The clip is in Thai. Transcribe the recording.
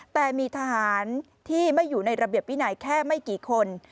แต่มีทหารที่ไม่อยู่ในระเบียบวินัยแค่ไม่กี่คน